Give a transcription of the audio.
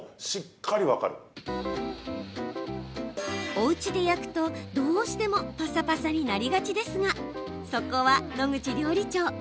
おうちで焼くと、どうしてもぱさぱさになりがちですがそこは、野口料理長。